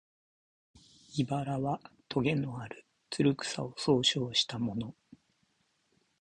「茨」はとげのある、つる草を総称したもの